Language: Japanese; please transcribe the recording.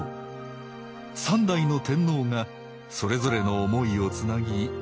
三代の天皇がそれぞれの思いをつなぎ誕生した日本。